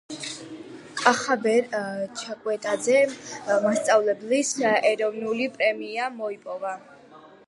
კახაბერ ჩაკვეტაძემ მასწავლებლის ეროვნული პრემია მოიპოვა